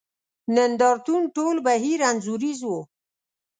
نند ارتون ټول بهیر انځوریز وو.